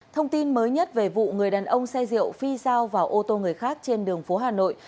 thông tin mới nhất về vụ người đàn ông xe rượu phi sao vào ô tô người khác trên đường phố hà nội